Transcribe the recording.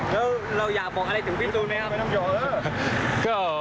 แล้วเราอยากบอกอะไรถึงพี่ตู๋นะครับ